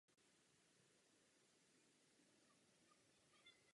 Členství dalších galaxií není jisté.